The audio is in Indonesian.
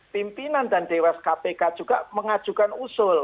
pimpinan dan dewas kpk juga mengajukan usul